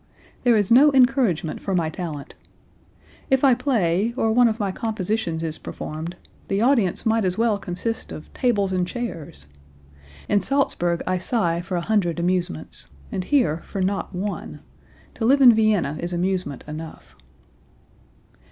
There is no encouragement for my talent! If I play, or one of my compositions is performed, the audience might as well consist of tables and chairs....In Salzburg I sigh for a hundred amusements, and here for not one; to live in Vienna is amusement enough."